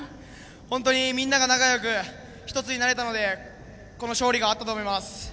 本当にみんなが仲よく１つになれたので、この勝利があったと思います。